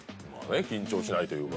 緊張しないというか。